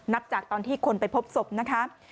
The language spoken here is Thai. จากตอนที่คนไปพบศพนะคะ